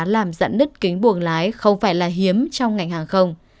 làm dặn nứt kính buồng lái không phải là hiếm trong ngành hàng không